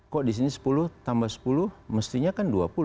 kok di sini sepuluh tambah sepuluh mestinya kan dua puluh